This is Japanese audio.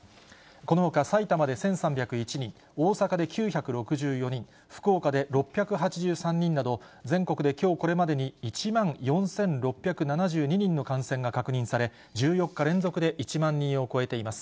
このほか埼玉で１３０１人、大阪で９６４人、福岡で６８３人など、全国できょうこれまでに１万４６７２人の感染が確認され、１４日連続で１万人を超えています。